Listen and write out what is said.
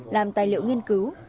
làm tài liệu nghiên cứu